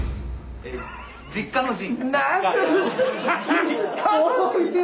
「実家の陣」。